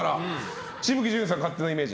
紫吹淳さんの勝手なイメージ。